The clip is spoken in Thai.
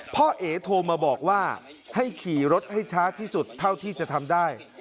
เอ๋โทรมาบอกว่าให้ขี่รถให้ช้าที่สุดเท่าที่จะทำได้